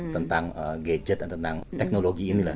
tentang gadget dan teknologi ini lah